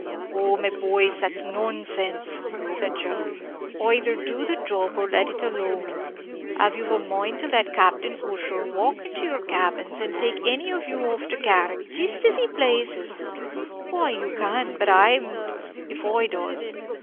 "Oh, my boys, that's nonsense," said Joe; "either do the job, or let it alone. Av you've a mind to let Captain Ussher walk into your cabins and take any of you off to Carrick, jist as he plazes why you can; but I'm d d if I does!